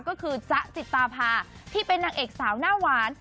ก็คือจ๊ะจิตตาพาที่เป็นนางเอกสาวหน้าหวาน